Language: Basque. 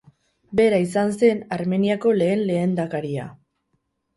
Bera izan zen Armeniako lehen lehendakaria.